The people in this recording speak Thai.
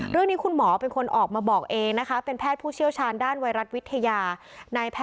เรื่องนี้คุณหมอเป็นคนออกมาบอกเองนะคะเป็นแพทย์ผู้เชี่ยวชาญด้านไวรัสวิทยา